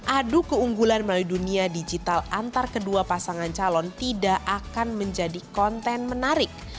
adu keunggulan melalui dunia digital antar kedua pasangan calon tidak akan menjadi konten menarik